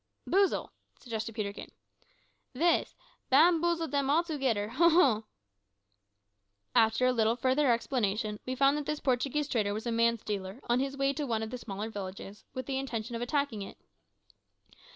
"Boozle," suggested Peterkin. "Vis, bamboozle dem altogidder, ho! ho!" After a little further explanation we found that this Portuguese trader was a man stealer, on his way to one of the smaller villages, with the intention of attacking it.